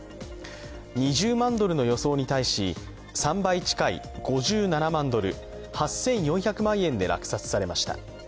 ２０万ドルの予想に対し、３倍近い５７万ドル、８４００万円で落札されました。